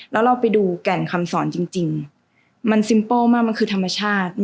แล้วเราไปดูแก่นคำสอนจริงมันซิมเปิ้ลมากมันคือธรรมชาติ